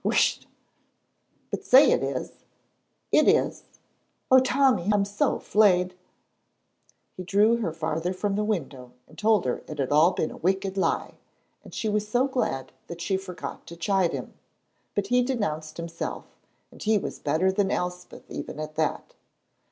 Whisht!" "But say it is." "It is." "Oh, Tommy, I'm so fleid!" He drew her farther from the window and told her it had all been a wicked lie, and she was so glad that she forgot to chide him, but he denounced himself, and he was better than Elspeth even at that.